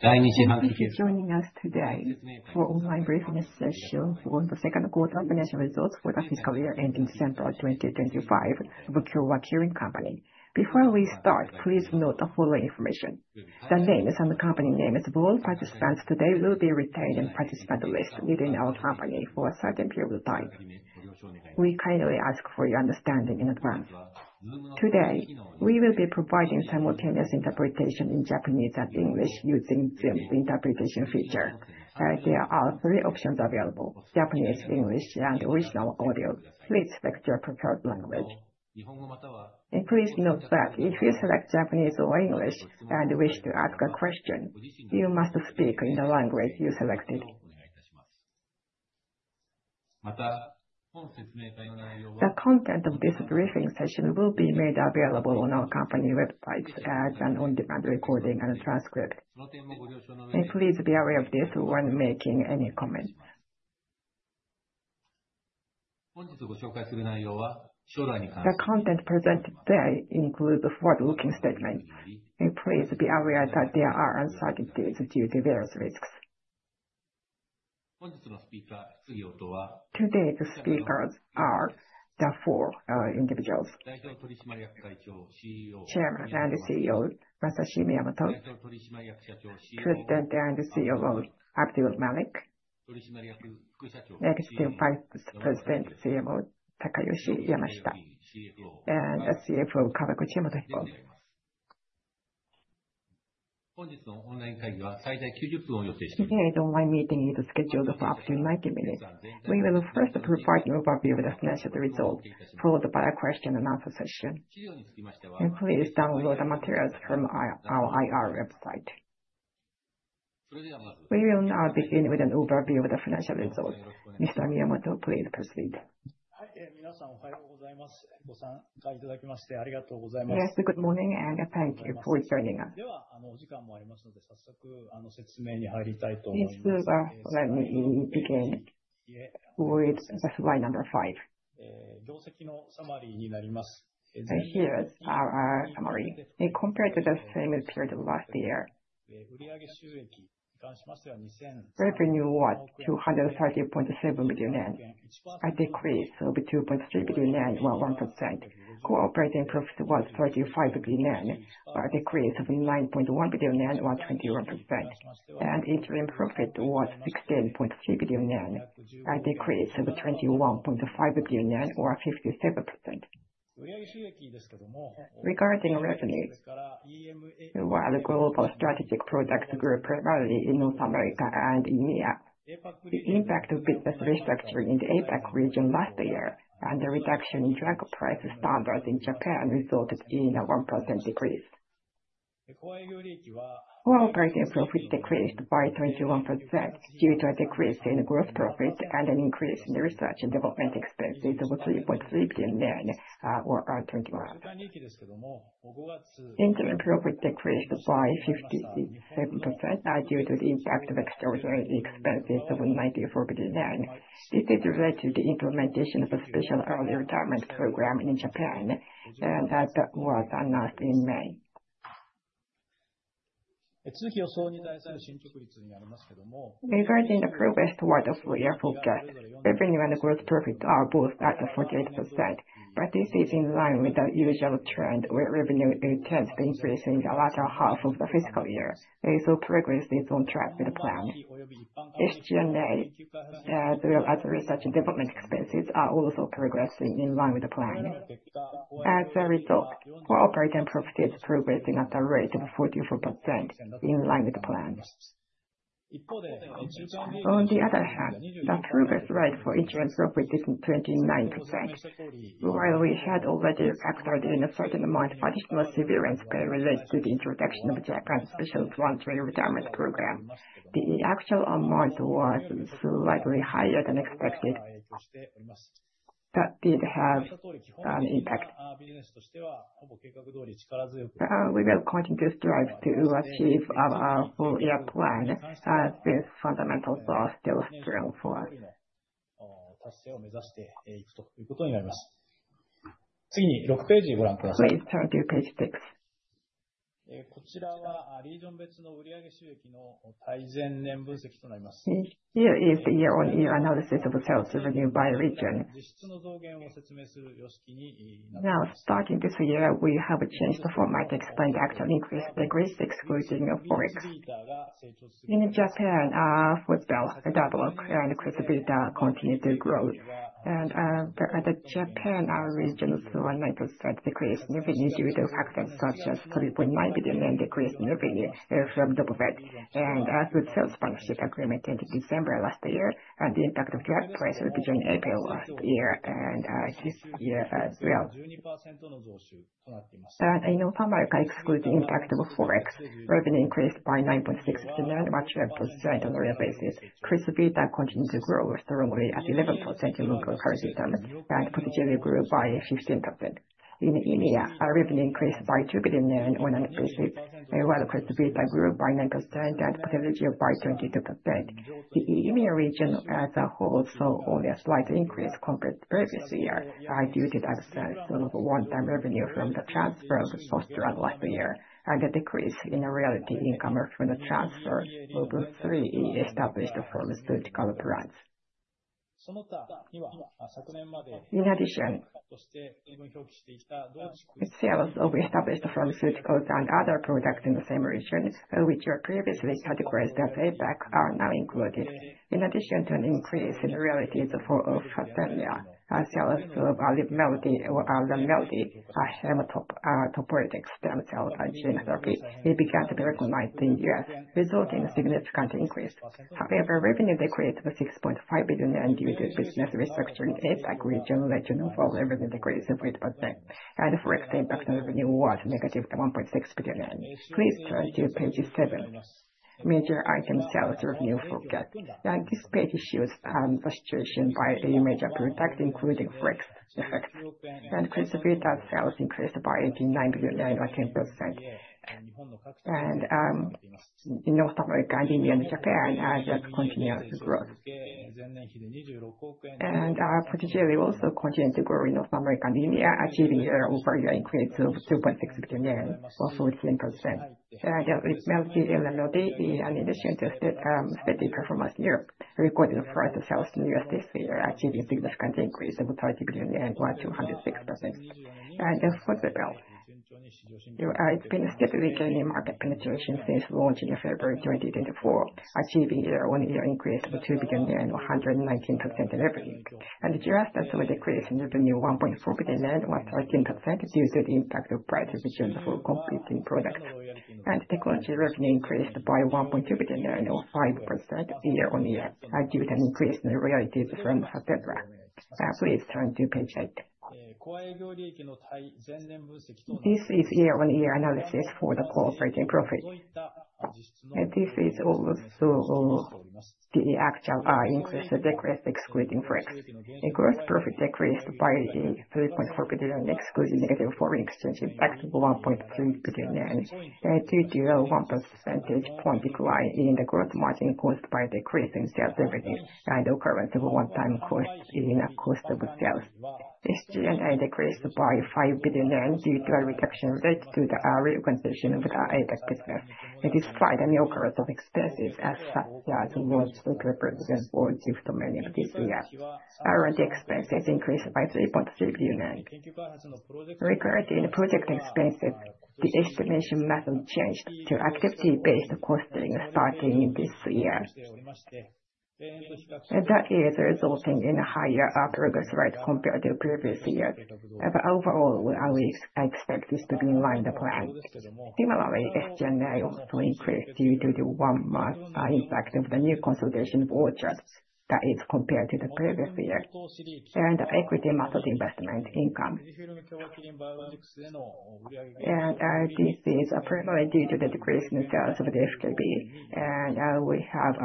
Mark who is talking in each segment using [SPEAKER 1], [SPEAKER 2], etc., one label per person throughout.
[SPEAKER 1] Joining us today for the online briefing session for the second quarter financial results for the fiscal year ending December 2025, Kyowa Kirin Co. Before we start, please note the following. The names and the company names of all participants today will be retained in the participant list within our company for a certain period of time. We kindly ask for your understanding in advance. Today we will be providing simultaneous interpretation in Japanese and English using Zoom's interpretation feature. There are three options: Japanese, English, and Original audio. Please select your preferred language. Please note that if you select Japanese or English and wish to ask a question, you must speak in the language you selected. The content of this briefing session will be made available on our company website as an on-demand recording and transcript. Please be aware of this when making any comments. The content presented today includes forward-looking statements. Please be aware that there are uncertainties due to various risks. Today the speakers are the four individuals: Chairman and CEO Masashi Miyamoto, President and COO Abdul Mullick, Executive Vice President and CMO Takeyoshi Yamashita, and CFO Motohiko Kawaguchi. Today the online meeting is scheduled for up to 90 minutes. We will first provide an overview with necessary results followed by a question and answer session, and please download the materials from our IR website. We will now begin with an overview of the financial results. Mr. Miyamoto, please proceed. Yes, good morning and thank you for joining us. Let me begin with slide number five. Here's our summary. Compared to the same period last year, revenue was 230.7 billion yen, a decrease of 2.3 billion yen or 1%. Core operating profit was 35 billion yen, a decrease of 9.1 billion yen or 21%, and interim profit was 16.3 billion yen, a decrease of 21.5 billion yen or 57%. Regarding revenue, while global strategic products grew primarily in North America and EMEA, the impact of business restructuring in the APEC region last year and the reduction in drug price standards in Japan resulted in a 1% decrease. Core operating profit decreased by 21% due to a decrease in gross profit and an increase in research and development expenses. With lived-in or alternate market, interim profit decreased by 57% due to the impact of extraordinary expenses of 94 billion. This is related to the implementation of a special early retirement program in Japan that was announced in May. Regarding the progress toward the full year forecast, revenue and gross profit are both at 48%, but this is in line with the usual trend where revenue intends to increase in the latter half of the fiscal year. Also, progress is on track with the plan. SG&A as well as research and development expenses are also progressing in line with the plan. As a result, core operating profit is progressing at a rate of 44% in line with the plan. On the other hand, the progress rate for insurance operating is 29%. While we had already factored in a certain amount of additional severance period to the introduction of Japan's special voluntary retirement program, the actual amount was slightly higher than expected. That did have an impact. We will continue to strive to achieve our full year plan as the fundamentals are still strong for us. Here is the year-on-year analysis of sales revenue by region. Now, starting this year, we have changed the format to explain the actual increase degrees excluding forex. In Japan Crysvita and Poteligeo continue to grow, and in Japan our region saw a 1.9% decrease in revenue due to factors such as a 3.9 billion decrease in revenue from the profit and as with the sales partnership agreement in December last year. The impact of drug price reductions between April last year and this year as well, and in North America, excludes the impact of forex. Revenue increased by 9.6%, marking 10% on a real basis. Crysvita continued to grow strongly at 11% in local currency terms and Poteligeo grew by 16%. In EMEA, revenue increased by 2 billion on a basis while Crysvita grew by 9% and Poteligeo by 22%. The EMEA region as a whole saw only a slight increase compared to the previous year due to the absence of one-time revenue from the transfer of post-translation and the decrease in royalty income from the transfer of three established pharmaceutical operations. In addition, sales of established pharmaceuticals and other products in the same region, which were previously categorized as ABAC, are now included in addition to an increase in royalty. The form of stem cells of Libmeldy or Lenmeldy hematopoietic stem cell gene therapy began to be recognized in the U.S., resulting in a significant increase. However, revenue decrease was 6.5 billion due to business restructuring and acquisition-related revenue decrease with Poteligeo, and Forex impact revenue was negative 1.6 billion. Please turn to page 7. Major item sales revenue forecast. This page shows frustration by the major products including forex effects and contributor. Sales increased by 8.9 billion or 10%, and in North America and EMEA and Japan are just continuous growth and potentially also continue to grow. In North America, achieving an over year increase of JPY 2.6 billion. Also, 10% melted lmod in an initial steady performance in Europe recorded for the sales in the U.S. this year, achieving significant increase of 30 billion yen and 206% stock, and for the belt, it's been steadily gaining market penetration since launch in February 2024, achieving year on year increase of 2 billion yen, 119% revenue, and the sense of decrease in the new 1.4 billion yen was 13% due to the impact of price reductions for competing products and technology. Revenue increased by 1.2 billion or 5% year on year due to an increase in royalties from September. Please turn to page eight. This is year on year analysis for the core operating profit. This is also the actual increased decrease excluding forex. Gross profit decreased by 3.4 billion excluding negative foreign exchange impact of 1.3 billion due to a 1 percentage point decline in the gross margin caused by decrease in sales revenue and the current one time cost is in a cost of sales. SG&A decreased by 5 billion yen due to a reduction rate to the reorganization of the APEC business despite new growth of expenses as such as was represented for due to many of this year. R&D expenses increased by 3.3 billion. Regarding project expenses, the estimation method changed to activity based costing starting this year that is resulting in higher upgrades rate compared to previous years. Overall, I expect this to be in line with the plan. Similarly, SG&A also increased due to the one month impact of the new consolidation orchestras that is compared to the previous year and equity massive investment income, and this is primarily due to the decrease in sales of the FKB, and we have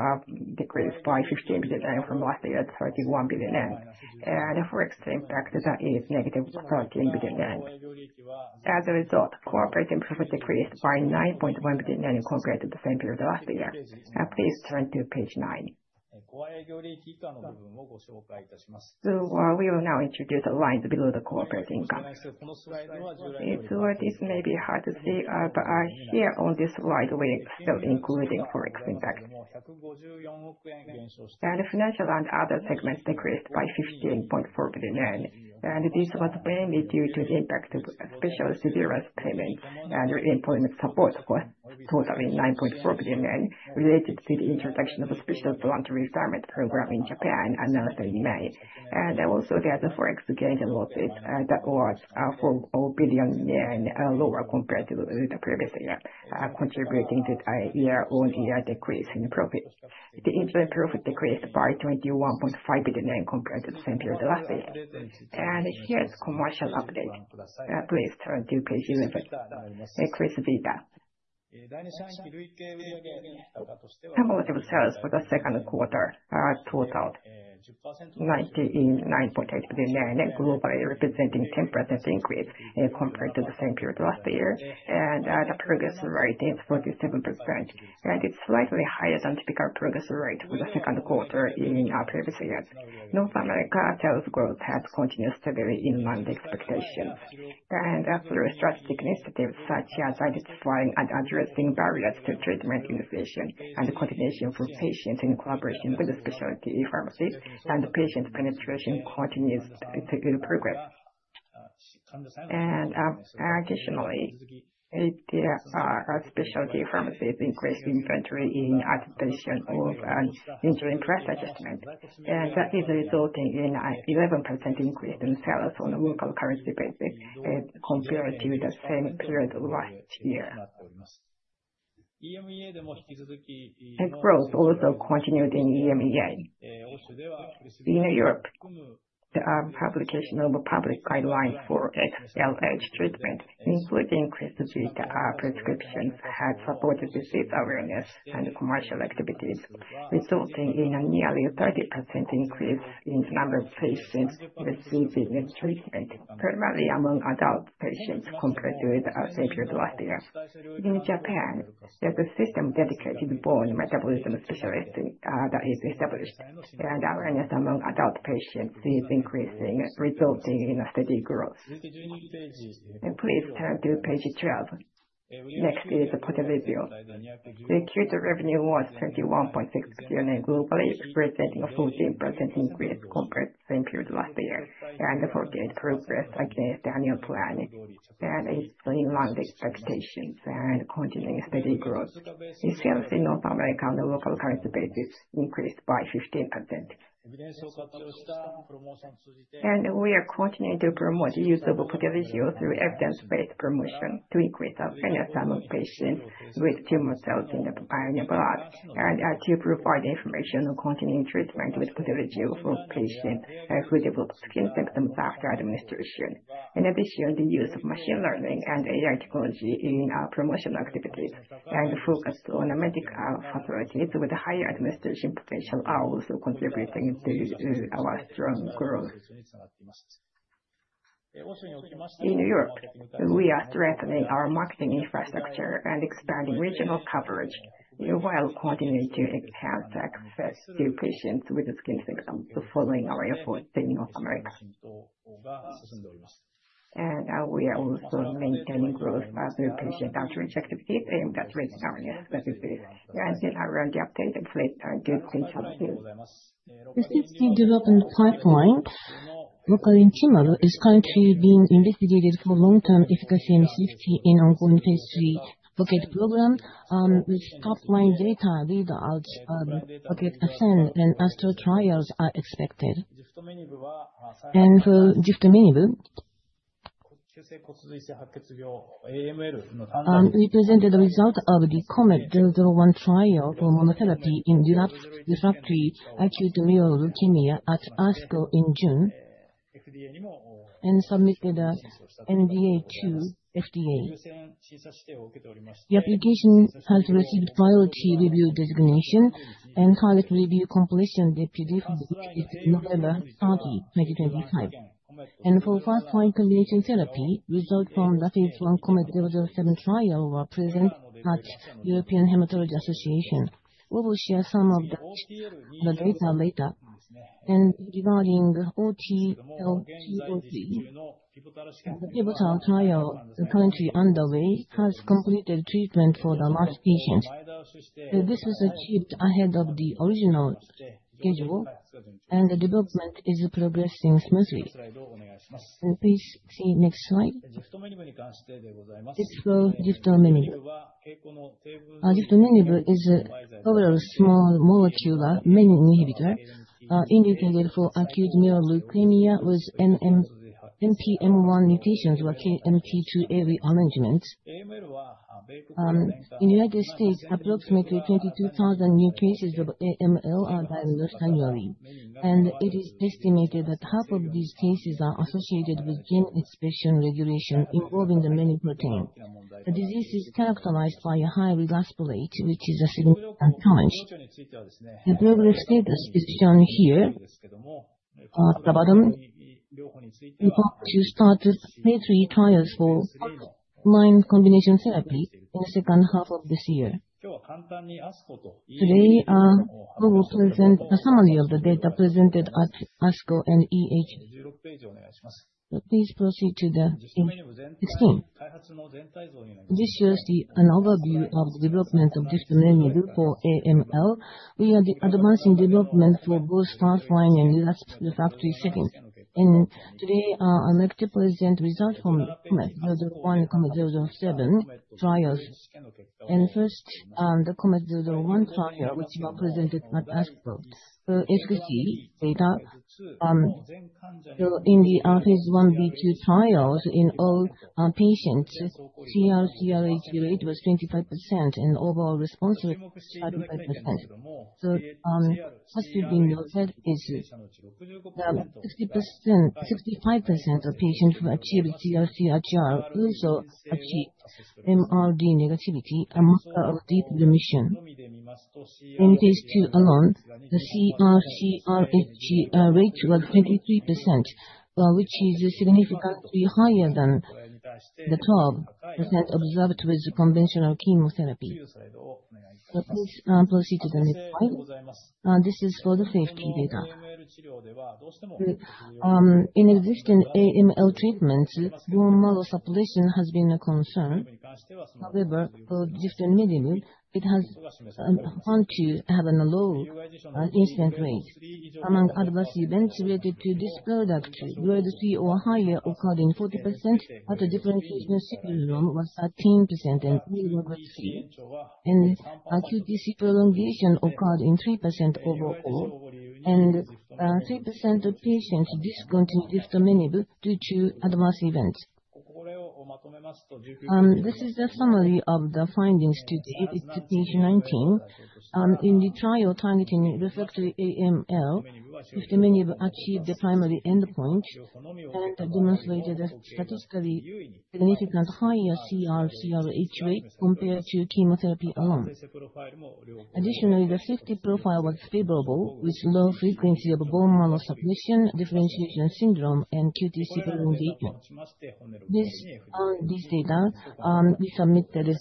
[SPEAKER 1] decreased by 15 billion yen from last year, 31 billion yen, and forex impact is negative 13 billion yen. As a result, core operating profit decreased by 9.1 billion yen compared to the same period last year. Please turn to page nine. We will now introduce the lines below the corporate income. This may be hard to see, but here on this slide we are still including forex impact, and financial and other segments decreased by 15.4 billion yen. This was mainly due to the impact of special severance payments and reemployment support costs totalling 9.4 billion yen related to the introduction of a special early retirement program in Japan announced in May. There is also a forex gain/loss that was 4.0 billion yen lower compared to the previous year, contributing to a year-on-year decrease in profits. The interim profit decreased by 21.5 billion compared to the same period last year. Here is a commercial update: Crysvita cumulative sales for the second quarter totalled 99.8 billion globally, representing a 10% increase compared to the same period last year, and the previous rate is 47%, and it's slightly higher than the typical progress rate for the second quarter. In previous years, North America sales growth has continued very in line with expectations, and through strategic initiatives such as identifying and addressing barriers to treatment innovation and continuation for patients in collaboration with specialty pharmacies, patient penetration continues in progress. Additionally, specialty pharmacies increased inventory in anticipation of an interim price adjustment, and that is resulting in an 11% increase in sales on a local currency basis compared to the same period last year. Growth also continued in EMEA. In Europe, the publication of public guidelines for XLH treatment, including Crysvita prescriptions, has supported disease awareness and commercial activities, resulting in a nearly 30% increase in the number of patients receiving treatment, primarily among adult patients compared with the same period last year. In Japan, there's a system dedicated to bone metabolism specialists that is established, and awareness among adult patients is increasing, resulting in a steady growth. Please turn to page 12. Next is Poteligeo review. The acute revenue was 21.6 billion globally, representing a 14% increase compared to the same period last year, and for great progress against the annual plan, and it is in line with expectations and continuing steady growth. Insurance in North America on the local currency basis increased by 15%, and we are continuing to promote use of Poteligeo through evidence-based promotion to increase fairness among patients with tumor cells in the peripheral blood and to provide information containing treatment with pathology for patients who develop skin symptoms after administration. In addition, the use of machine learning and AI-driven promotional strategies in our promotion activities and focus on medical facilities with higher administration potential are also contributing to our strong growth. In Europe. We are strengthening our marketing infrastructure and expanding regional coverage while continuing to enhance access to patients with skin symptoms following our efforts, and we are also maintaining growth as a patient after injective treatment aimed at range harness around the updated. Fleet gives insulation. The safety development pipeline local in TMAL is currently being investigated for long-term efficacy and safety in ongoing Phase 3 ROCKET program with top line data without ROCKET ASCEND and ASTRO trials are expected. For Ziftomenib, we represented the result of the COMET-001 trial for monotherapy in relapsed refractory acute myeloid leukemia at ASCO in June and submitted NDA to FDA. The application has received priority review designation and target review completion. PDUFA date for November 30, 2025. For five-point combination therapy, results from RAPIDS-1007 trial were presented at European Hematology Association. We will share some of the data later. Regarding OTL-23, the pivotal trial currently underway has completed treatment for the last patient. This was achieved ahead of the original schedule and the development is progressing smoothly. Please see next slide. Explore Ziftomenib. It is several small molecules, menin inhibitor indicated for acute myeloid leukemia with NPM1 mutations or KMT2A rearrangement. In the United States, approximately 22,000 new cases of AML are diagnosed annually and it is estimated that half of these cases are associated with gene expression regulation involving the menin proteins. The disease is characterized by a high relapse rate which is a significant challenge. The progressive status is shown here at the bottom. We hope to start three trials for menin combination therapy in the second half of this year. Today we will present a summary of the data presented at ASCO and EHA. Please proceed to the scheme. This shows an overview of the development of this. We are advancing for both first line and relapsed refractory setting and today I'm able to present results from COMET-001 and 1007 trials and first the COMET-001 trial which was presented at ASCO for efficacy data. In the Phase 1b/2 trials in all patients, CR/CRh rate was 25% and overall response rate was 35%. What is to be noted is 65% of patients who achieved CR/CRh also achieved MRD negativity, a marker of deep remission. In Phase 2 alone, the CR/CRh rate was 23% which is significantly higher than the 12% observed with conventional chemotherapy. Please proceed to the next slide. This is for the safety data. In existing AML treatments, dual myelosuppression has been a concern. However, for Ziftomenib, it has been found to have a low incident rate among adverse events related to this product. Grade 3 or higher occurred in 40%, a different was 13%, and acute disease prolongation occurred in 3% overall, and 3% of patients discontinued Ziftomenib due to adverse events. This is the summary of the findings to Ph19 in the trial targeting refractory AML. Many have achieved the primary endpoint and demonstrated a statistically significant higher CR/CRh rate compared to chemotherapy alone. Additionally, the safety profile was favorable with low frequency of bone marrow suppression, differentiation syndrome, and QTc prolongation. This data we submitted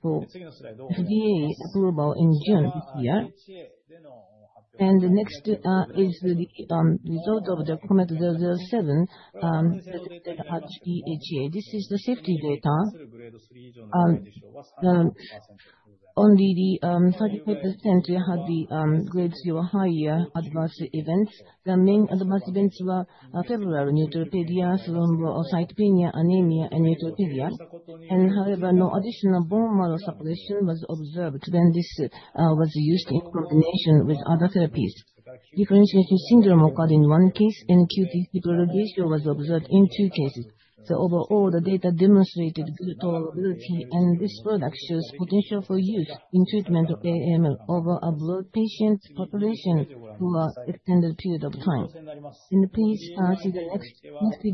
[SPEAKER 1] for FDA approval in June, and the next is the result of the Comet 007 at DHEA. This is the safety data. Only the 31st century had the grade 0 high year adverse events. The main adverse events were febrile neutropenia, thrombocytopenia, anemia, and neutropenia; however, no additional bone marrow suppression was observed when this was used in combination with other therapies. Differentiation syndrome occurred in one case, and QTc prolongation was observed in two cases. Overall, the data demonstrated good tolerability, and this product shows potential for use in treatment of AML over a broad patient population for extended period of time. Please see the next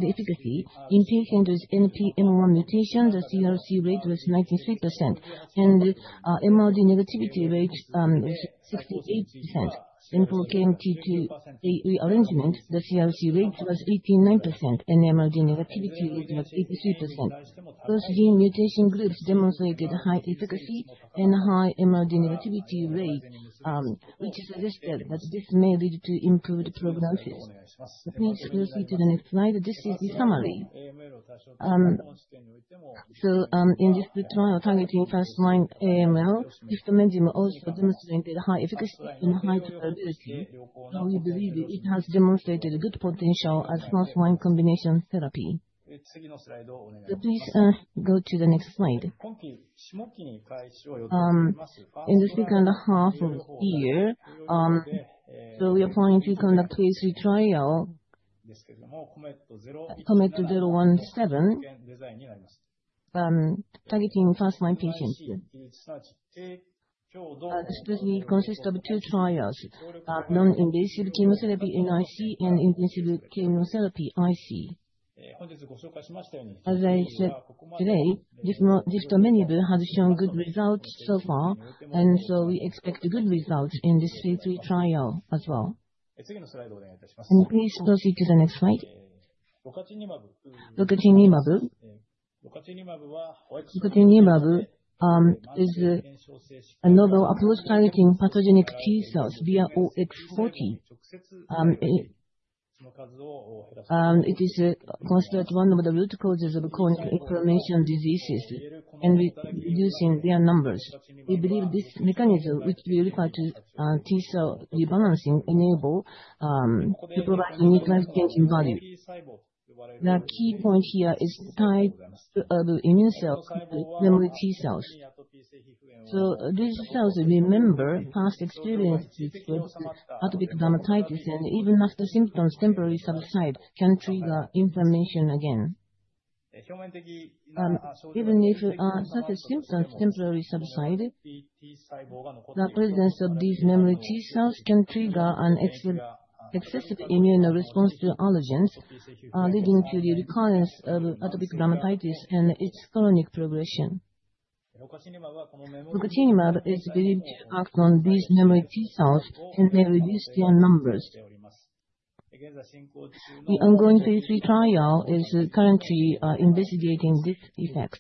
[SPEAKER 1] efficacy. In patients with NPM1 mutation, the CR/CRh rate was 93% and MRD negativity rate 68%, and for KMT2A rearrangement, the CR/CRh rate was 89% and MRD negativity rate was 83%. Those gene mutation groups demonstrated high efficacy and high MRD negativity rate, which suggested that this may lead to improved prognosis. Please proceed to the next slide. The DCC summary: in this trial targeting first line AML, Ziftomenib also demonstrated high efficacy and high tolerability. We believe it has demonstrated good potential as first line combination therapy. Please go to the next slide. In the second half of the year, we are planning to conduct KC trial Comet 017 targeting first line patients, especially consisting of two trials: non-invasive chemotherapy (NIC) and invasive chemotherapy (IC). As I said today, Ziftomenib has shown good results so far, and we expect good results in this C3 trial as well. Please proceed to the next slide. Rocatinlimab is a novel apoptosis-targeting pathogenic T cells, OX40. It is considered one of the root causes of chronic inflammation diseases and reducing their numbers. We believe this mechanism, which we refer to as T cell rebalancing, enables to provide unique life-changing value. The key point here is tied to immune cells, namely T cells, so these cells remember past experiences with atopic dermatitis and even after symptoms temporarily subside, can trigger inflammation again. Even if such symptoms temporarily subside, the presence of these memory T cells can trigger an excessive immune response to allergens, leading to the recurrence of atopic dermatitis and its chronic progression. Rocatinlimab is believed to act on these memory T cells and may reduce their numbers. The ongoing Phase 3 trial is currently investigating this effect,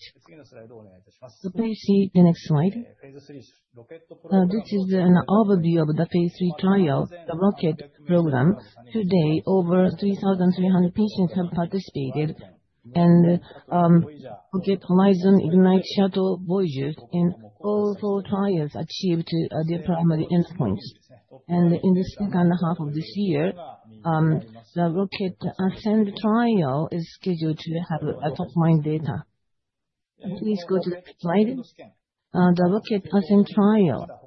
[SPEAKER 1] so please see the next slide. This is an overview of the Phase 3 trial, the ROCKET program. To date, over 3,300 patients have participated in ROCKET Horizon, Ignite, Shuttle, Voyages, and all four trials achieved their primary endpoints. In the second half of this year, the ROCKET ASCEND trial is scheduled to have a top-line data. Please go to next slide. The ROCKET Passing trial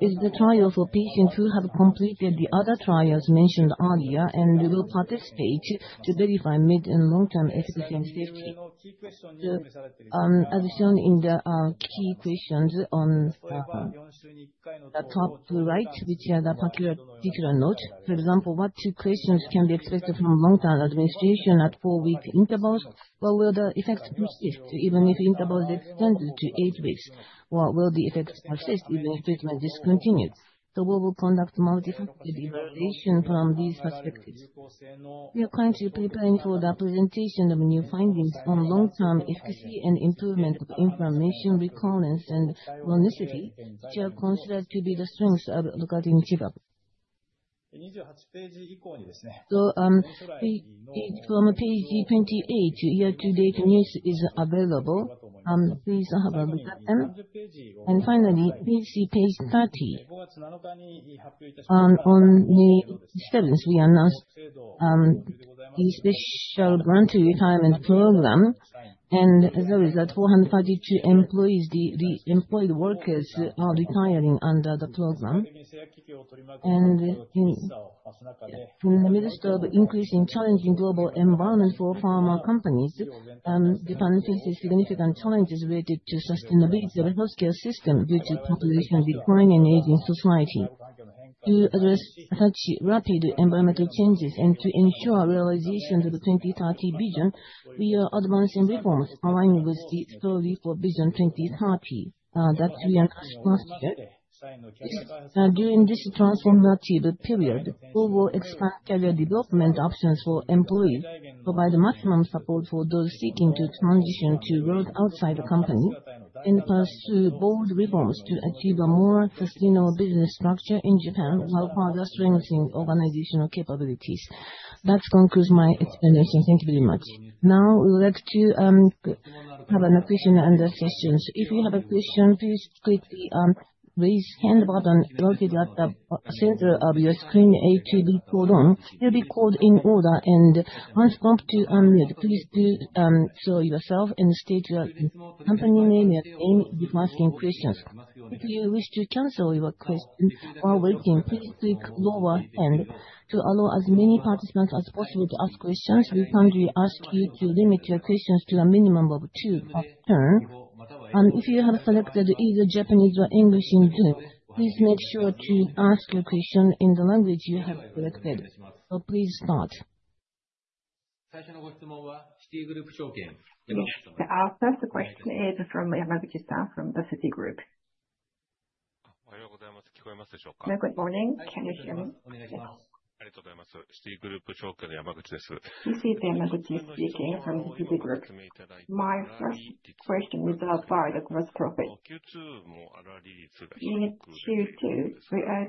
[SPEAKER 1] is the trial for patients who have completed the other trials mentioned earlier and will participate to verify mid and long-term efficacy and safety. As shown in the key questions on the top two right, which are of particular note, for example, what two questions can be expected from long-term administration at four-week intervals? Will the effects persist even if intervals are extended to eight weeks? Will the effects persist even if treatment is discontinued? We will conduct multifactor evaluation from these perspectives. We are currently preparing for the presentation of new findings on long-term efficacy and improvement of inflammation, recurrence, and chronicity, which are considered to be the strengths of Rocatinlimab. From page 28, year-to-date news is available. Please have a look at them. Finally, PHCE page 30, on the 7th, we announced the special early retirement program and there is that 432 employees, the employed workers, are retiring under the program. In the midst of increasing challenging global environment for pharma companies, Japan faces significant challenges related to sustainability of the healthcare system due to population decline and aging society. To address such rapid environmental changes and to ensure realization of the 2030 vision, we are advancing reforms, aligning with the story for Vision 2030 that we announced last year. During this transformative period, we will expand career development options for employees, provide maximum support for those seeking to transition to roles outside the company, and pursue board reforms to achieve a more sustainable business structure in Japan while further strengthening organizational capabilities. That concludes my explanation. Thank you very much. Now we would like to have a question and answer session. If you have a question, please click the raise hand button located at the center of your screen. You'll be called in order and once prompted to unmute, please do so yourself and state your company name and your name if asking questions. If you wish to cancel your question while waiting, please click lower hand. To allow as many participants as possible to ask questions, we kindly ask you to limit your questions to a minimum of two. If you have selected either Japanese or English in Zoom, please make sure to ask your question in the language you have selected. Please start. Our first question is from Yamaguchi from Citigroup. Good morning, can you hear me? This is Yamaguchi speaking from Citigroup. My first question is about bio laparoscopy. This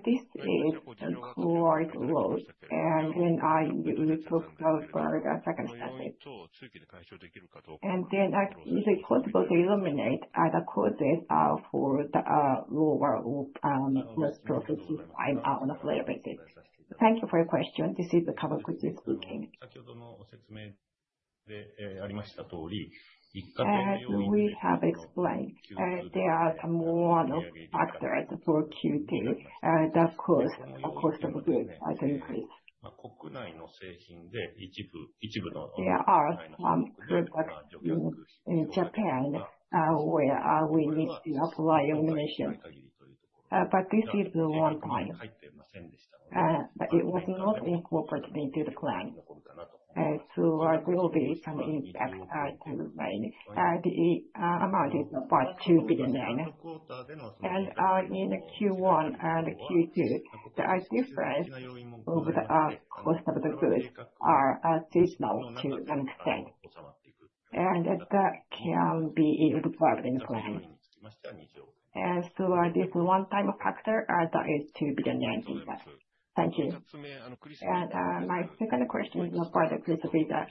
[SPEAKER 1] is quite loud and when I took it and then possible to eliminate other cruises for the lower to find out on a flat basis. Thank you for your question. This is Kawaguchi speaking. As we have explained, there are a lot of factors for QT that cause a cost of goods. I think there are in Japan where we need enough bio elimination, but this is one point it was not incorporated into the plan. There will be some impact to mine. The amount is about 2 billion and in Q1 and Q2 the difference of the cost of the goods are seasonal to an extent and that can be a revolving plan. As to this one-time factor, that is to begin. Thank you. My second question is for the principal. I'm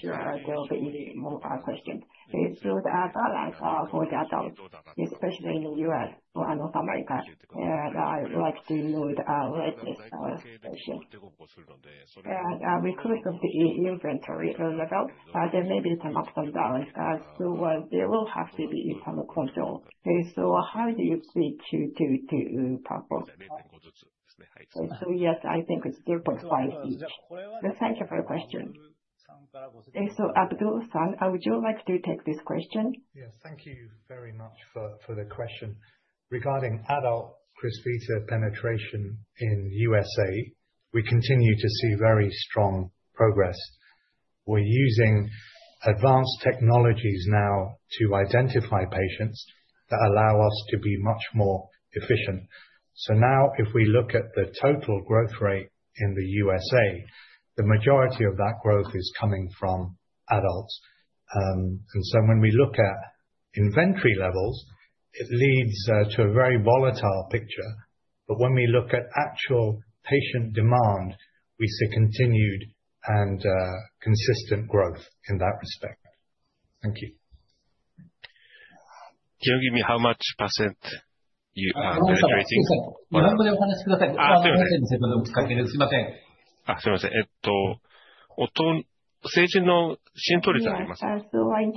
[SPEAKER 1] sure there will be any more questions. It should balance for the adults, especially in the U.S. or North America. I like to note this question and because of the inventory it was about, there may be some ups and downs so they will have to be internal control. How do you see Q2? Yes, I think it's 0.5 each. Thank you for your question. Abdul sir, would you like to take this question?
[SPEAKER 2] Yes, thank you very much for the question regarding adult Crysvita penetration in the U.S.A. We continue to see very strong progress. We're using advanced technologies now to identify patients that allow us to be much more efficient. If we look at the total growth rate in the U.S., the majority of that growth is coming from adults. When we look at inventory levels, it leads to a very volatile picture. When we look at actual patient demand, we see continued and consistent growth in that respect. Thank you. Can you give me how much % you are penetrating? In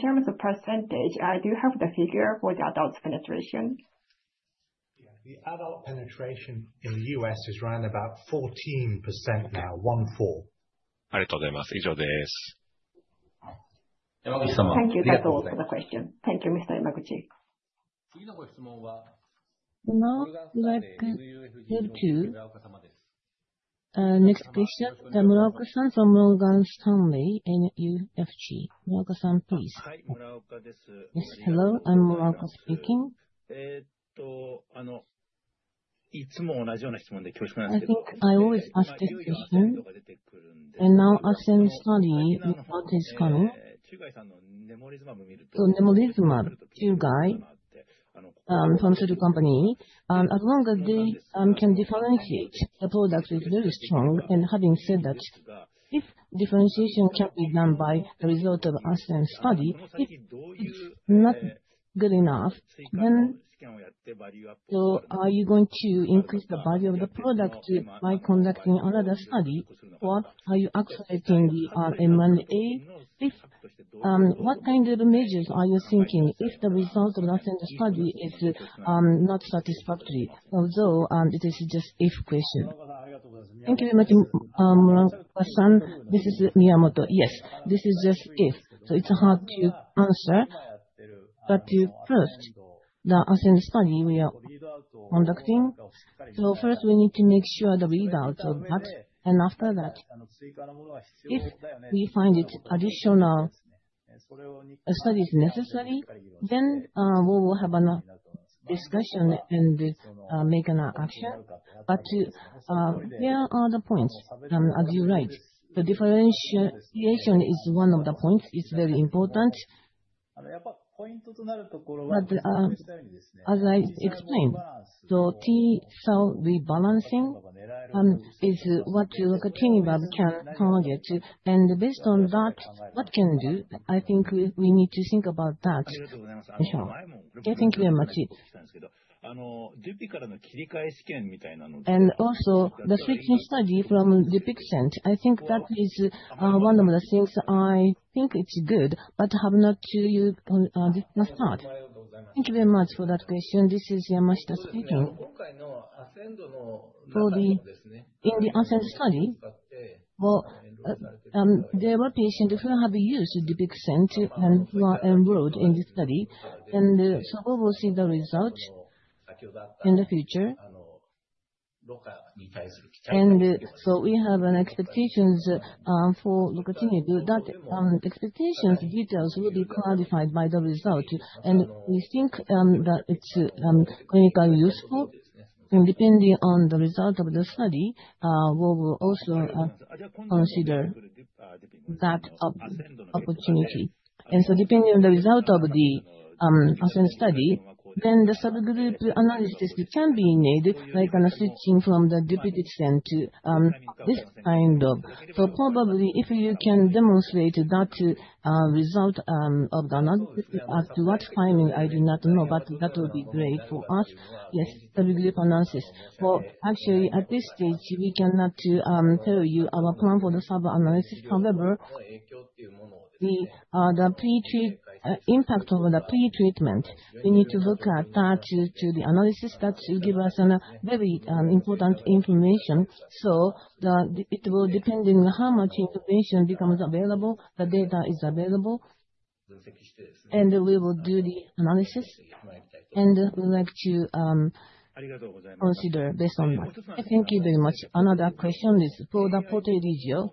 [SPEAKER 2] terms of percentage, I do have the figure for the adults penetration. The adult penetration in the U.S. is around about 14% now, 1, 4. Thank you. That's all for the question. Thank you, Mr. Yamaguchi. Now let's move to next question [Khasan] from Morgan Stanley and M[UFG [Khasan] please. Yes, hello, I'm Muraoka speaking. I think I always ask this question and now ASCEND study. So Nemolizumab company as long as they can differentiate the product is very strong. Having said that, if differentiation can be done by the result of ASCEND study, if not good enough then. Are you going to increase the value of the product by conducting another study? What are you accelerating the RNA? Fifth, what kind of measures are you thinking if the result last study is not satisfactory? Although it is just if question. Thank you very much. This is Miyamoto. Yes, this is just if so it's hard to answer. First, the ASCEND study we are conducting. First we need to make sure the results of that and after that if we find it additional studies necessary then we will have a discussion and make an action. Here are the points. As you write, the differentiation is one of the points. It's very important. As I explained the T cell rebalancing is what Rocatinlimab can target and based on that, what can do? I think we need to think about that getting clear mark and also the switching study from the Dupixent. I think that is one of the things. I think it's good, but have not. Thank you very much for that question. This is Yamashita speaking in the ASCEND study. There were patients who have used the Dupixent and enrolled in this study. We will see the result in the future. We have expectations for Rocatinlimab that expectations details will be qualified by the result. We think that it's clinically useful. Depending on the result of the study, we will also consider that opportunity. Depending on the result of the ASCEND study, the subgroup analysis can be needed like switching from the Dupixent. This kind of. Probably if you can demonstrate that result of the analysis as to what finding I do not know, but that would be great for us. Yes, analysis. Actually at this stage we cannot tell you our plan for the subanalysis. However, the impact of the pre-treatment, we need to look at that to the analysis that give us very important information. It will depending how much information becomes available. The data is available and we will do the analysis and we like to consider based on that. Thank you very much. Another question is for the Poteligeo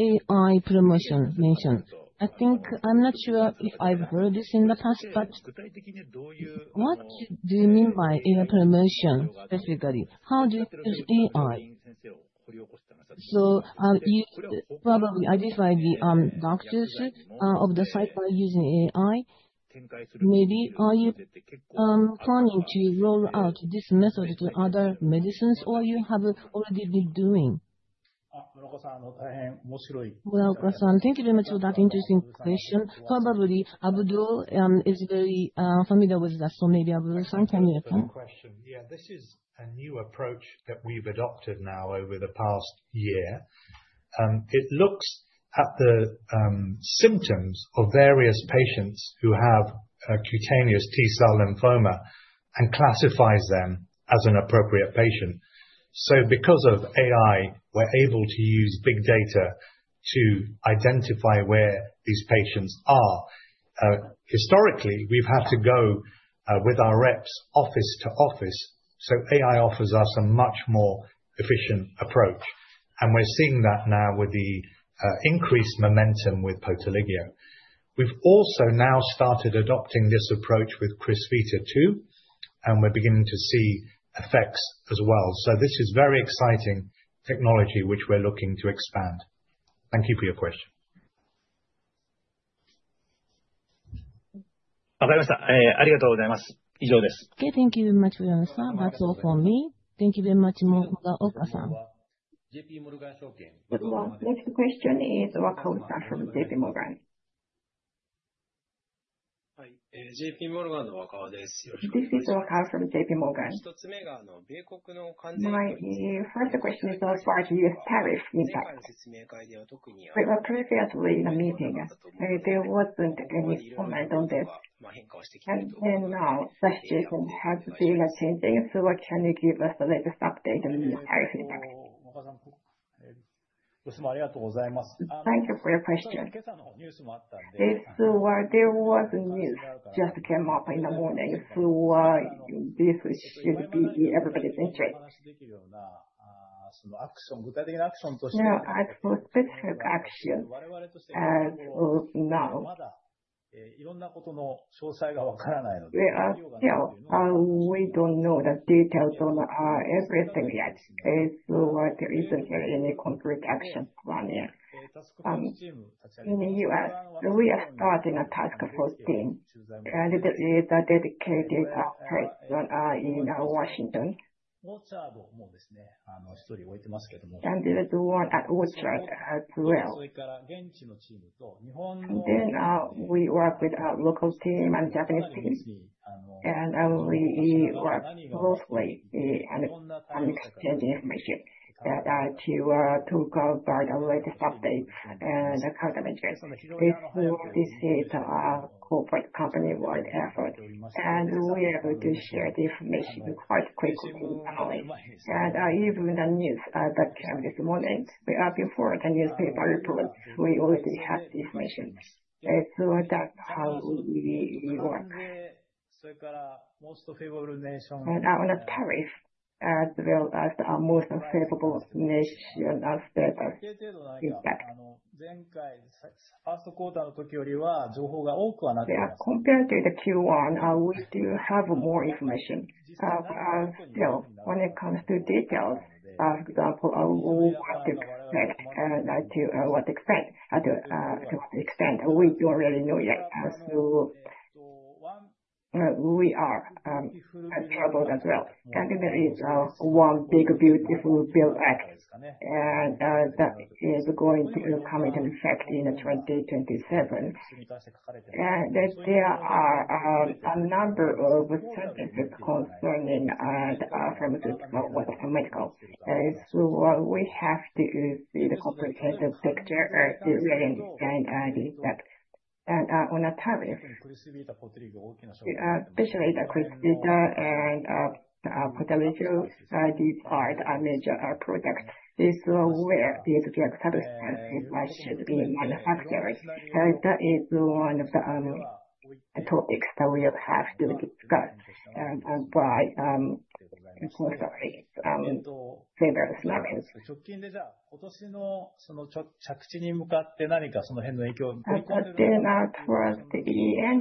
[SPEAKER 2] AI promotion mentioned. I think. I'm not sure if I've heard this in the past, but what do you mean by AI promotion? Specifically, how do you use AI? You probably identify the doctors of the site by using AI, maybe. Are you planning to roll out this method to other medicines or you have already been doing well. [Khasan], thank you very much for that interesting question. Abdul is very familiar with that. Maybe Abdul, can you. One question. Yeah. This is a new approach that we've adopted now over the past year. It looks at the symptoms of various patients who have cutaneous T cell lymphoma and classifies them as an appropriate patient. Because of AI, we're able to use big data to identify where these patients are. Historically, we've had to go with our reps office to office. AI offers us a much more efficient approach, and we're seeing that now with the increased momentum with Poteligeo. We've also now started adopting this approach with Crysvita too, and we're beginning to see effects as well. This is very exciting technology which we're looking to expand. Thank you for your question. Thank you very much. That's all for me. Thank you very much. Next question is [Wakao] from JPMorgan. This is [Wakao] from JPMorgan. My first question is as far as tariff impact. We were previously in a meeting there wasn't any comment on this and now such details have seen a changing so can you give us the latest update and military feedback? Thank you for your question. If there was news just came up in the morning so this should be in everybody's interest. As of now we don't know the details on everything yet. There isn't really any concrete action plan yet in the U.S. We are starting a task force team and it is a dedicated place in Washington and there is one at Woodstrad as well. We work with our local team and Japanese teams and we work closely on exchanging information to talk about our latest updates and countermeasures. We feel this is a corporate company-wide effort and we are able to share the information quite quickly and even the news back this morning before the newspaper report we already have this machine so that's how we work on a tariff as well as our most favorable national status impact compared to the Q1. We still have more information still when it comes to details. For example, I want to what extent we don't really know yet so we are troubled as well. Canada is one big beautiful bill act and that is going to come into effect in 2027. There are a number of challenges because pharmaceutical medical. We have to see the comprehensive picture to really understand these steps and on a tariff especially the Crysvita and Poteligeo these are major art projects. This is where these drug substances should be manufactured. That is one of the topics that we have to discuss by various levels. Towards the end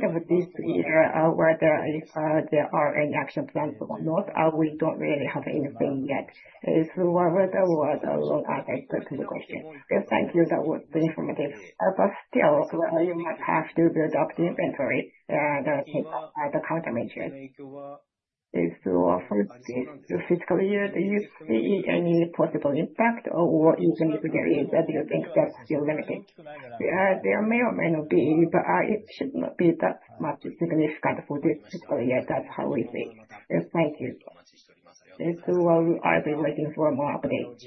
[SPEAKER 2] of this year whether there are any action plans or not we don't really have anything yet throughout the question. Thank you. That was informative but still you must have to build up the inventory and take up other countermeasures for your fiscal year. Do you see any possible impact or even if there is, do you think that's still limited? There may or may not be but it should not be that much significant for this fiscal year. That's how we see. Thank you. I'll be looking for more updates.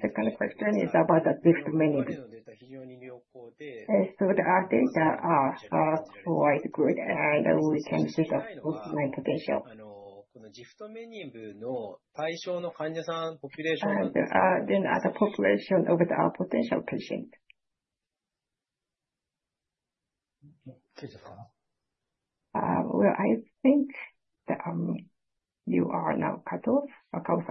[SPEAKER 2] Second question is about the drift management. There are data quite good and we can see the potential then other population of the potential patient. I think you are now cut off. Are you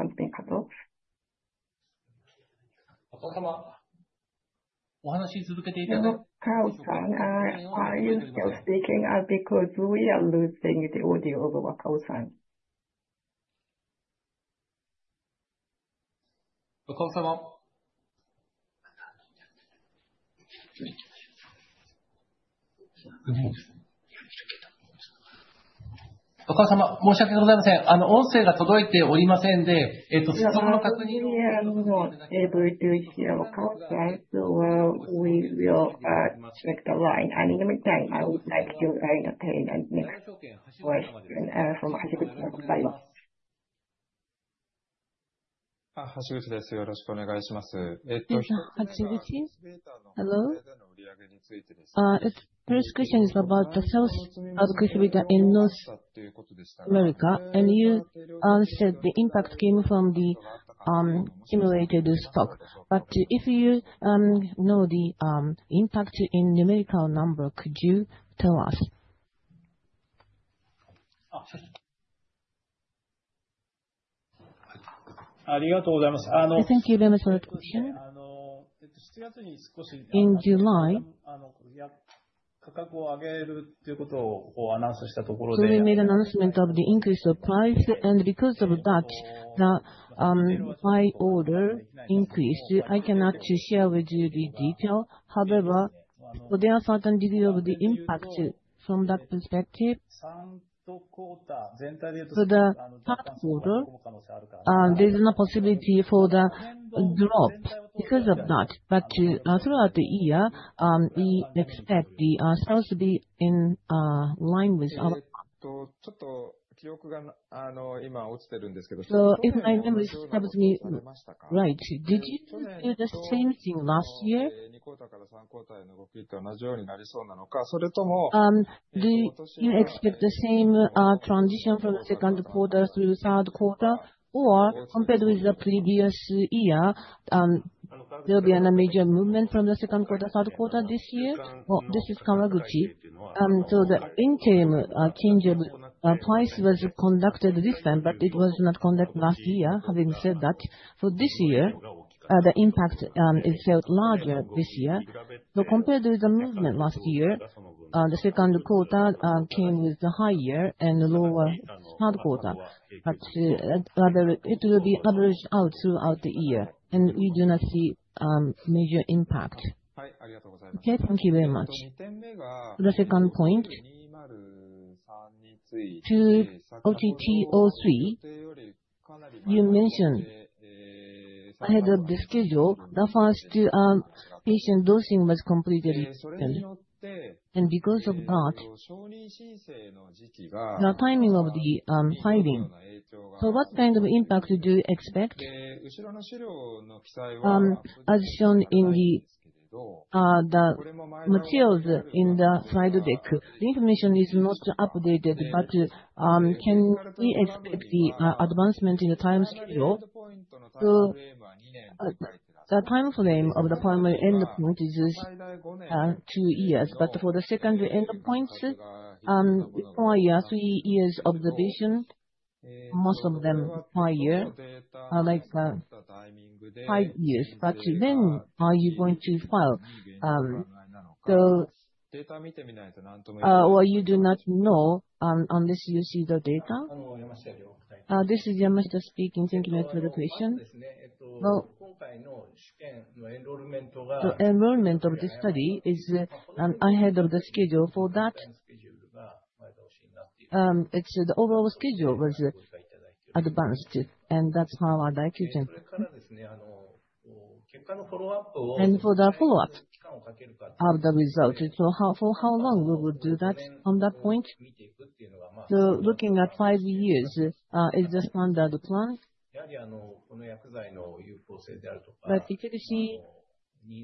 [SPEAKER 2] still speaking? Because we are losing the audio of. I would like to entertain and next question. Hello. First question is about the sales of Crysvita in North America and you said the impact came from the emulated stock but if you know the impact in numerical number, could you tell us? Thank you Dimas for that question. In July, we made announcement of the increase of price and because of that the high order increased. I cannot share with you the detail. However, there are certain degree of the impact from that perspective. For the third quarter, there's no possibility for the drop because of that. Throughout the year, we expect the sales to be in line with our so if my memory stops me right. Did you do the same thing last year? Do you expect the same transition from the second quarter through third quarter? Compared with the previous year, there'll be a major movement from the second quarter third quarter this year. This is Kawaguchi. The interim change of price was conducted this time but it was not conducted last year. Having said that, for this year the impact is felt larger this year. Compared with the movement last year, the second quarter came with the high year and the lower third quarter but rather it will be averaged out throughout the year and we do not see major impact. Okay, thank you very much. The second point to OTT03 you mentioned ahead of the schedule the first patient dosing was completed and because of that the timing of the siding. What kind of impact do you expect? As shown in the materials in the slide deck, the information is most updated but can we expect the advancement in the time schedule? The time frame of the primary endpoint is two years but for the secondary endpoints require three years observation, most of them five years like five years. Are you going to file or you do not know unless you see the data. This is Yamashita speaking, thank you for the question. The enrolment of the study is ahead of the schedule. For that, it's the overall schedule advanced and that's how and for the follow up are the result. For how long we will do that on that point. Looking at five years is the standard plan. Efficacy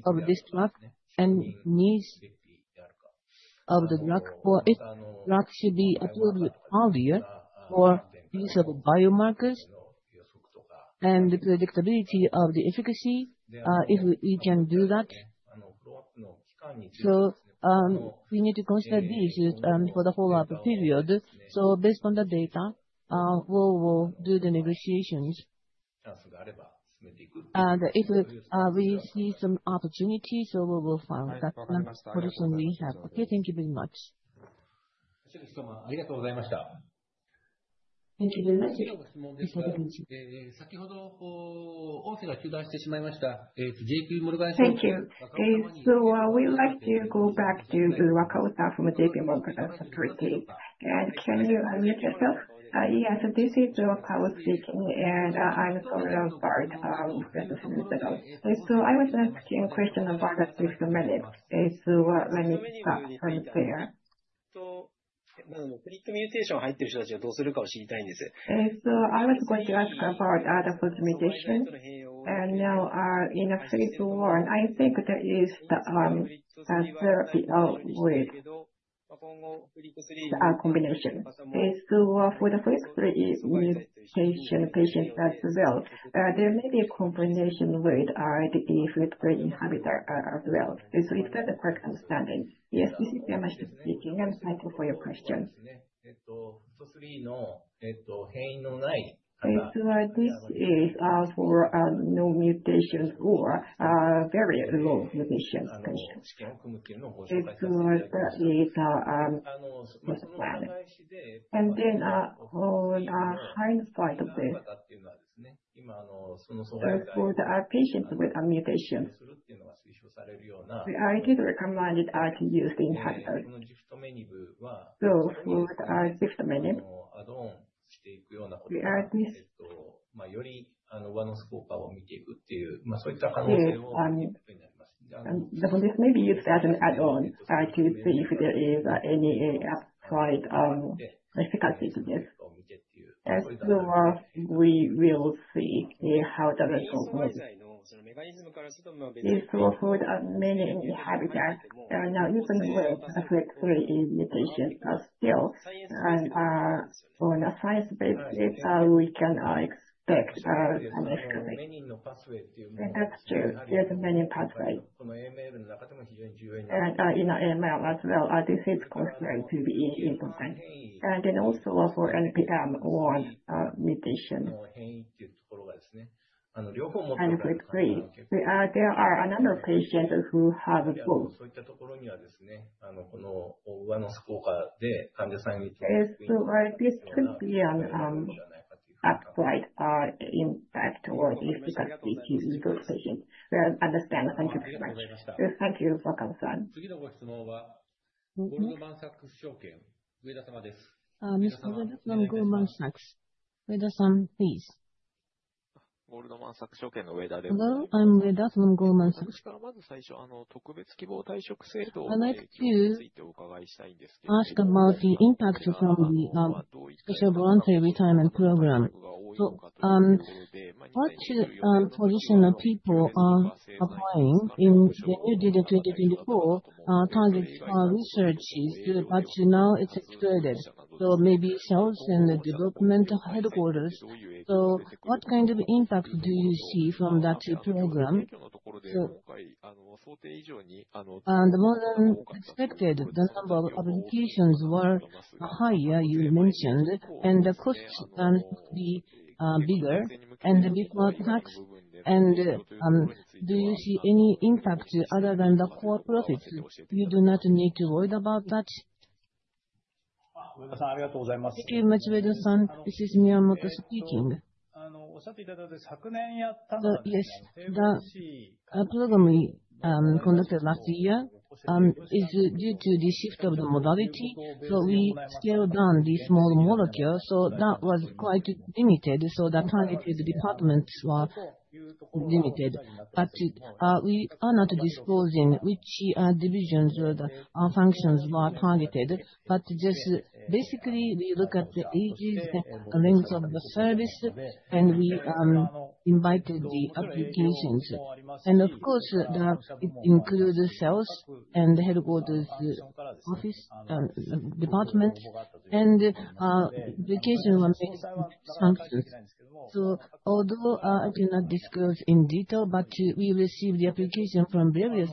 [SPEAKER 2] of this drug and needs of the drug for it drug should be applied with earlier for use of biomarkers and the predictability of the efficacy if we can do that. We need to consider this for the follow up period. Based on the data we will do the negotiations and if we see some opportunity we will find that. Okay, thank you very much. Thank you. We'd like to go back to [Wakao] from JPMorgan. Can you unmute yourself? Yes, this is [Wakao] speaking. I'm sorry, I was asking a question about, I was going to ask about NPM1 mutation and now in a Phase 1, I think there is the therapy of combination. For the Phase 3 mutation patients as well, there may be a combination with IDH FLT3 inhibitor. It's got the quite outstanding, yes, this is speaking and thank you for your questions. This is for no mutations or very low mutations. On hindsight of this, for the patients with NPM1 mutation, I did recommend it used in handle. This may be used as an add-on to see if there is any outside difficulty to get as we will see how the result works. These two are many inhabitants now, even with FLT3 in mutations of skills, and on a science basis, we can expect an escalate. That's true, there's many pathways in acute myeloid leukemia as well. This is costly to be important. Also, for NPM1 mutation condition and quickly, we are, there are another patient who have both. This could be applied impact or difficulty in those patients. We understand. Thank you very much. Thank you for your concern. Hello, I'm Vedasman Gomanson. I'd like to ask about the impact from the special voluntary retirement program. What position of people are applying in the new DWDB? Before, target researches, but now it's exploded, so maybe sales and development headquarters. What kind of impact do you see from that program? More than expected, the number of applications were higher, you mentioned, and the costs tend to be bigger and before tax. Do you see any impact other than the core profits? You do not need to worry about that. Okay, much better than this. This is Miyamoto speaking. Yes, the program we conducted last year is due to the shift of the modality, so we scale down these small molecules. That was quite limited, so the targeted departments were limited, but we are not disclosing which divisions or functions were targeted. Basically, we look at the ages, length of the service, and we invited the applications. Of course, it includes sales and headquarters office department and application. Although I cannot disclose in detail, we received the application from various.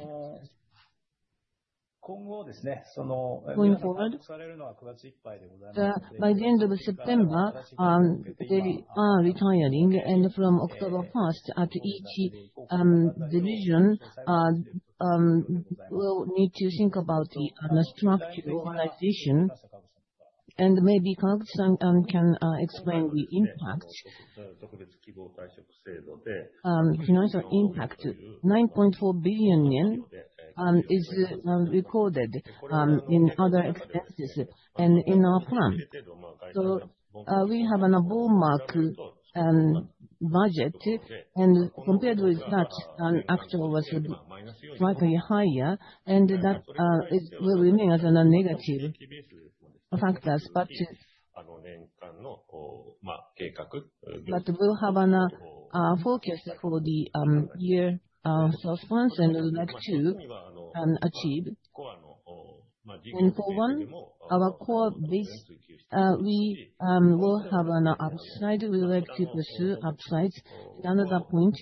[SPEAKER 2] Going forward, by the end of September, they are retiring, and from October 1 at each delivery, we need to think about the unstructured organization. Maybe I can explain the impact, financial impact. 9.4 billion yen is recorded in other expenses and in our plan, so we have an above mark budget, and compared with that, actual was slightly higher. That will remain as a non-negative factor, but we'll have a forecast for the year performance and like to achieve, and for one, our core business, we will have an upside. We like to pursue upsides down at that point,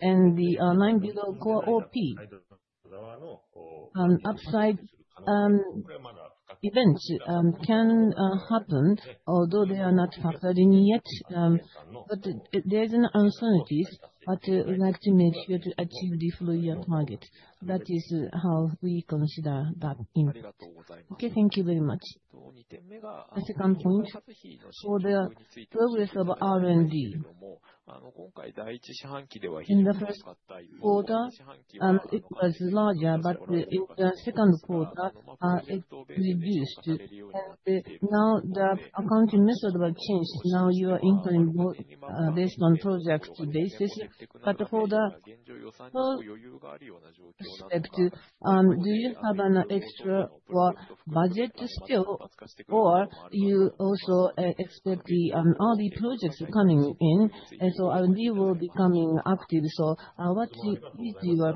[SPEAKER 2] and the line below core op, upside events can happen, although they are not factored in yet. There are uncertainties, but we like to make sure to achieve the full year target. That is how we consider that. Okay, thank you very much. The second point, for the progress of R&D, in the first quarter it was larger, but in the second quarter it reduced. Now the accounting method was changed. Now you are incurring this on a project basis, but do you have an extra budget still, or do you also expect the R&D projects coming in? R&D will be coming active. What is your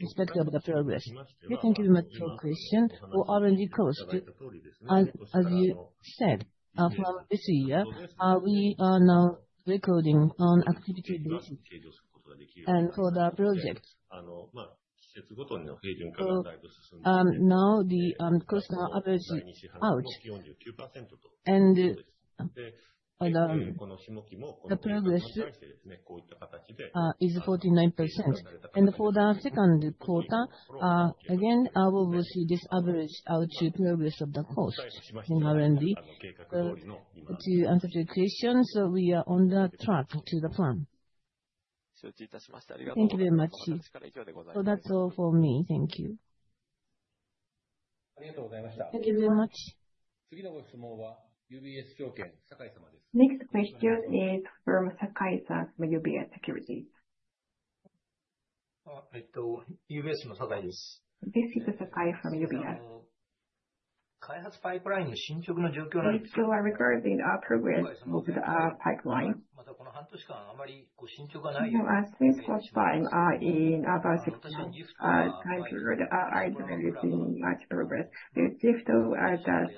[SPEAKER 2] perspective of the progress? Thank you very much for the question. For R&D costs, as you said, from this year we are now recording on activity and for the project. Now the costs average out, and the progress is 49%, and for the second quarter, again, I will see this average out to periods of the costs to answer the question. We are on track to the plan. Thank you very much. That's all for me. Thank you. Thank you very much. Next question is from [Sakai] UBS Securities. This is [Sakai] from UBS. Regarding our progress of the pipeline since first time in about 16 time period I developed much progress and as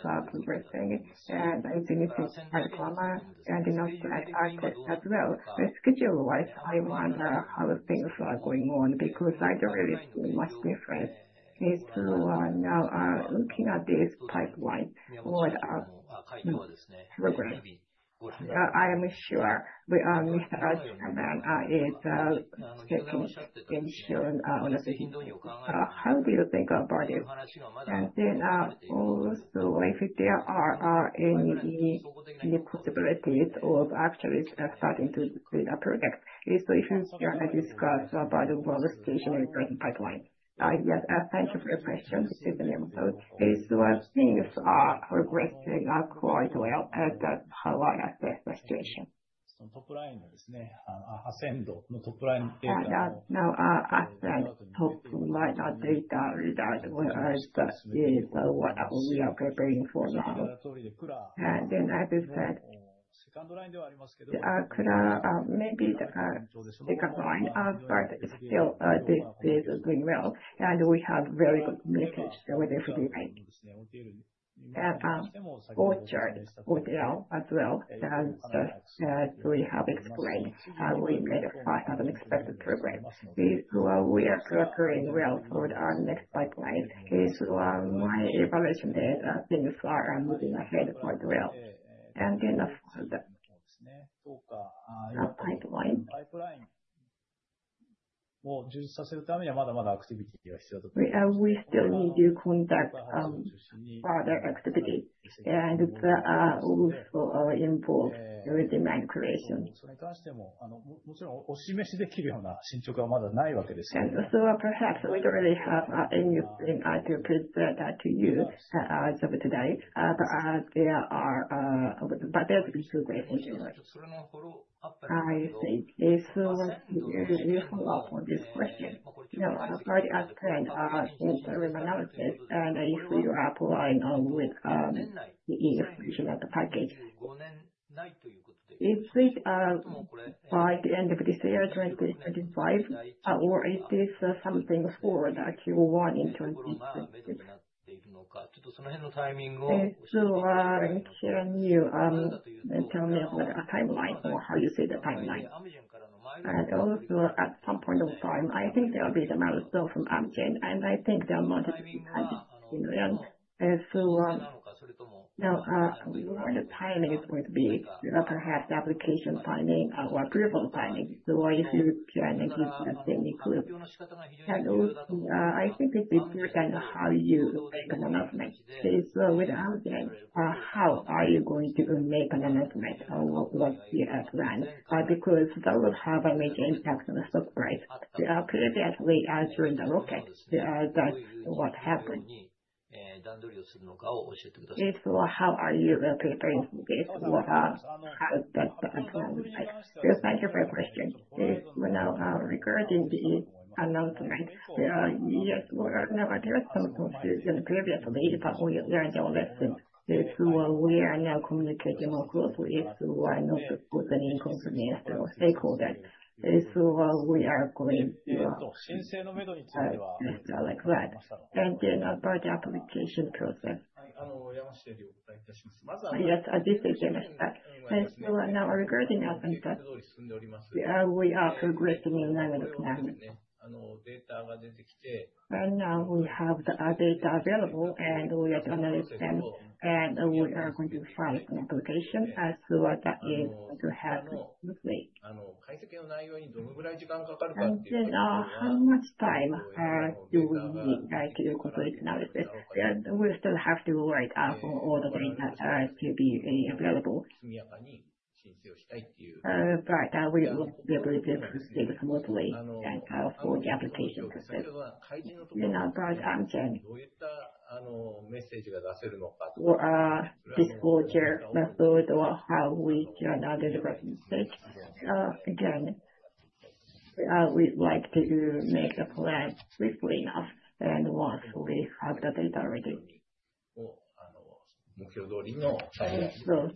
[SPEAKER 2] well the schedule wise I how things are going on because I don't really see much difference is now looking at this pipeline program I am sure how do we think about it and then also if there are any possibilities of actually starting to build a project. If you want to discuss about stationary pipeline. Yes, thank you for your question this evening. Things are progressing up quite well at the Hawaiian situation now I hope to lie not data is what we are preparing for now then as I said maybe they can find us. Still this is doing well and we have very good message with every orchard hotel as well. As we have explained we made an unexpected triggering real for our next pipeline. Is my evaluation that things are moving ahead quite well. We still need to conduct further activity and there are also involved with demand creation. Perhaps we don't really have anything to present to you as of today. There are but there to be so grateful to us. I think if you follow up on this question. You know I've already asked and if you apply with the illustration of the package is it by the end of this year 2025 or is this something forward that you want into so Kiran you in terms of timeline or how you see the timeline and also at some point of time I think there will be the milestone from Amgen and I think there are multiple now the timings would be perhaps application signing or prevail signing. If you are making I think it is more than how you make an announcement without it how are you going to make an announcement what you have done? That will have a major impact on the stock price previously answering the ROCKET that's what happened if how are you preparing for this? Thank you for your question now regarding the announcement. Yes, there are some confusion previously but we learned our lesson. We are now communicating across with why not stakeholders. We are going like that and then part application process. We are progressing in our class and now we have the updates available and we have to understand and we are going to find some application as to what that is going to happen. How much time are doing complete analysis. We still have to write up all the data to be available, but we will be able to proceed smoothly for the application process. In our guard action for a disclosure method or how we generated, again we'd like to make the plan quickly enough, and once we have the data ready,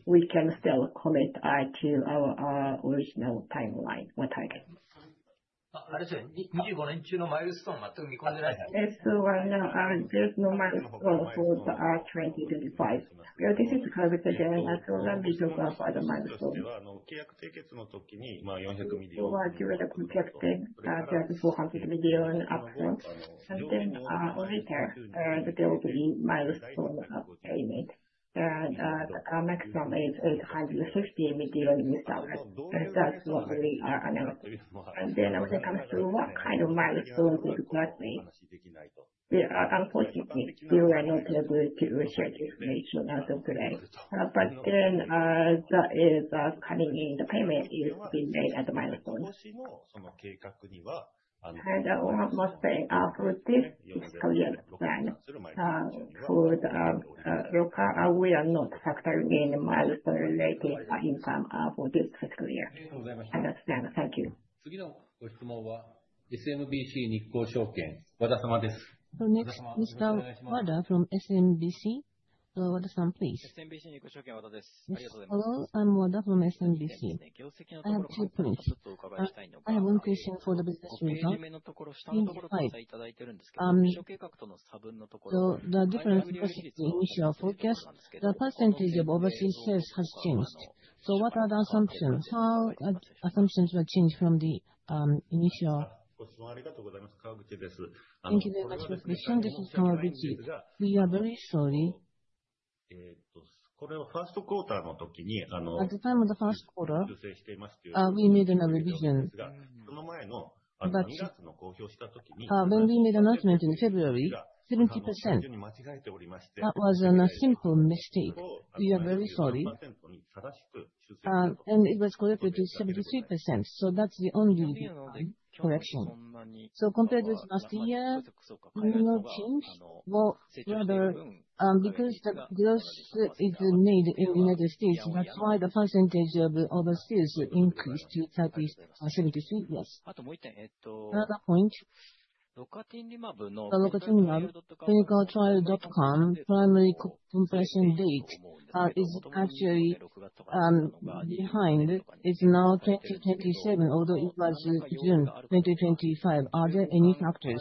[SPEAKER 2] we can still commit to our original timeline. Maximum is $850 million, and that's what we are analysis. When it comes to what kind of milestone did you currently, unfortunately we were not able to share the information as of today. There is coming in, the payment is being made at the milestone, and I must say for this career plan for the local, we are not factoring in milestone-related income for this fiscal year. Thank you. Hello, I'm Wada from SMBC. I have two points. I have one question for the business. The difference, the percentage of overseas sales has changed. What are the assumptions? How assumptions were changed from the initial? Thank you very much for the question. This is Motohiko Kawaguchi. We are very sorry. At the time of the first quarter, we made a revision. When we made the announcement in February, 70%—that was a simple mistake. We are very sorry, and it was corrected to 73%, so that's the only correction. Compared with last year, rather, because the growth is made in the United States, that's why the percentage of overseas increased to 72%. Yes, another point. Clinical trial.com primary completion date is actually behind. It's now 2027, although it was June 2025. Are there any factors?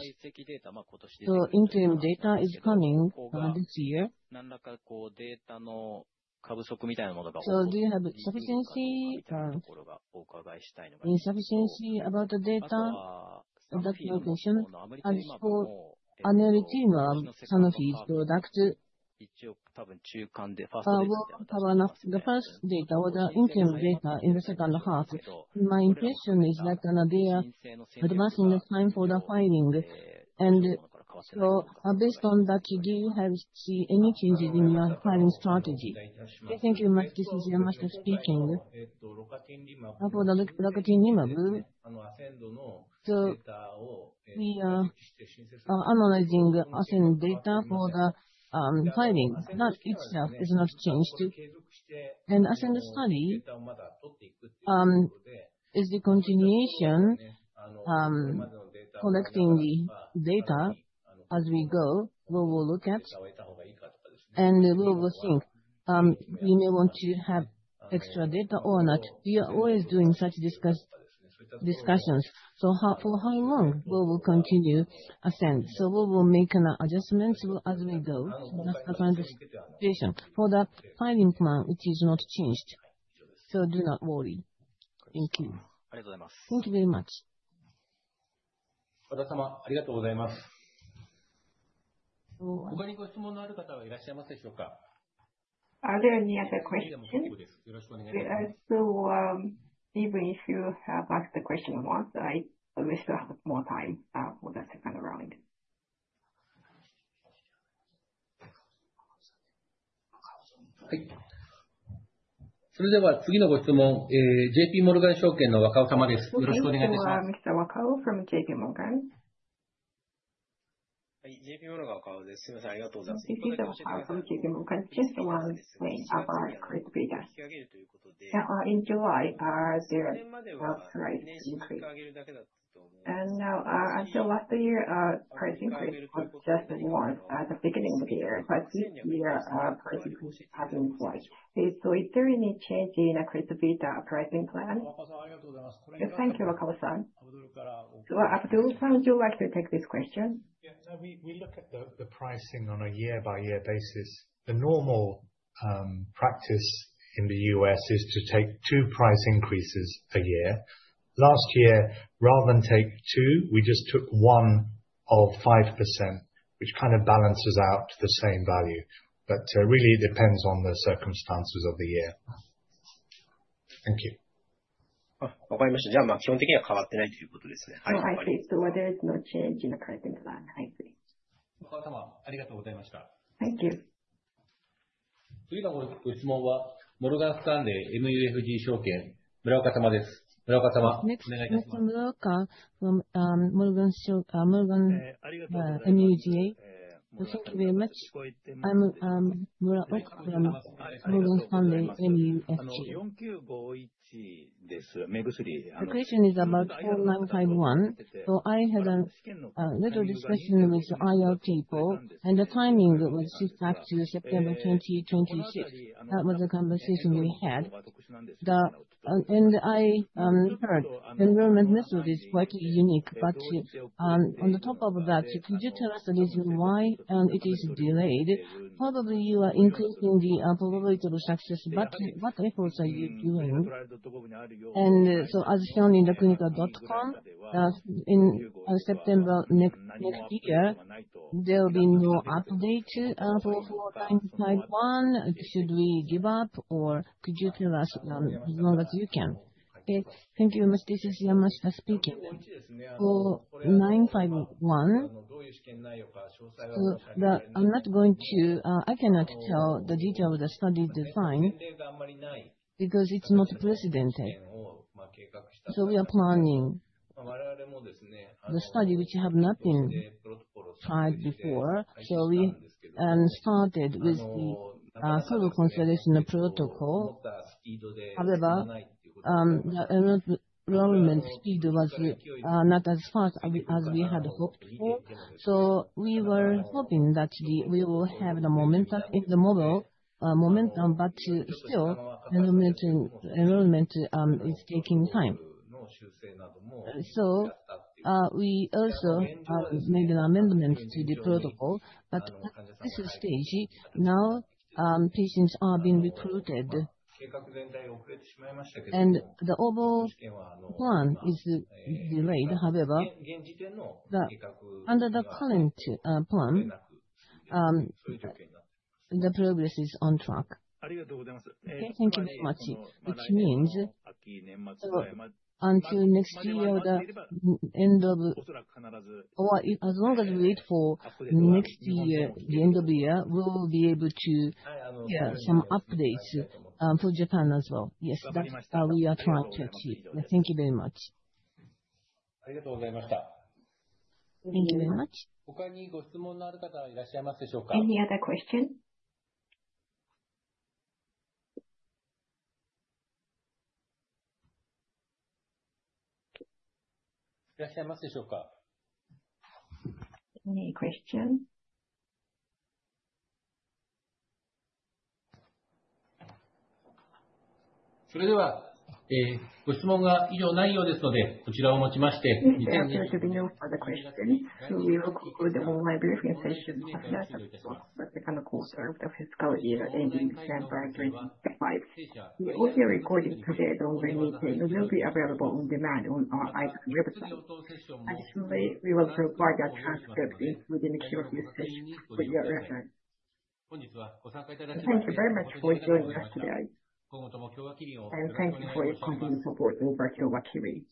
[SPEAKER 2] Interim data is coming this year. Insufficiency about the data documentation, the first data was the interim data in the second half. My impression is that they are advancing the time for the filing. Based on that, have you seen any changes in your filing strategy? I think this is Takeyoshi Yamashita speaking. We are analyzing ASCEND data for the findings. That itself is not changed. As in the study, it is the continuation, collecting the data as we go. We will look at and we will think we may want to have extra data or not. We are always doing such discussions. For how long we will continue ASCEND, we will make an adjustment as we go for that filing plan. It is not changed, so do not worry. Thank you. Thank you very much. Are there any other questions? Even if you have asked the question or not, I will still have more time for the second round. This is [Wakao] from JPMorgan. This is [Wakao] from JPMorgan. Just one thing about Crysvita. In July their growth rate increased. Until last year, price increase was just one at the beginning of the year. This year, price increases have increased. Is there any change in Crysvita pricing plan? Thank you. Abdul sir, would you like to take this question? We look at the pricing on a year-by-year basis. The normal practice in the U.S. is to take two price increases a year. Last year, rather than take two, we just took one of 5%, which kind of balances out the same value. It really depends on the circumstances of the year. Thank you. There is no change in the Caribbean plan, I think. Thank you. The question is about 4,951. I had a little discussion with IELTS people and the timing was shifted up to September 2026. That was a conversation we had and I heard the enrolment method is quite unique. On top of that, could you tell us the reason why it is delayed? Probably you are increasing the probability of success, but what reports are you doing? As shown in clinical.com, in September next year there will be no update. Should we give up or could you tell us as long as you can? Thank you. This is Yamashita speaking, 951. I cannot tell the detail of the study design because it's not precedented. We are planning the study which has not been tried before. We started with the Solar Conservation Protocol. However, the enrolment speed was not as fast as we had hoped for. We were hoping that we would have the momentum in the mobile momentum, but still enrolment is taking time. We also made an amendment to the protocol. At this stage, now patients are being recruited and the overall plan is delayed. However, under the current plan, the progress is on track. Thank you. Which means until next year, the end of the year, or as long as we wait for next year, the end of the year, we will be able to have some updates for Japan as well. Yes, that's how we are trying to achieve. Thank you very much. Thank you very much. Any other question? Any questions? The audio recording today on the meeting will be available on demand on our Kyowa Kirin website. Additionally, we will provide a transcript including the Q stage for your reference. Thank you very much for joining us today, and thank you for your continued support over Kyowa Kirin.